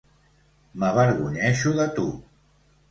M'avergonyeixo de tu!